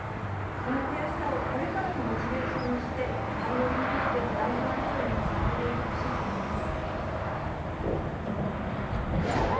この悔しさをこれからのモチベーションにして、パリオリンピックへの代表争いにつなげていってほしいと思います。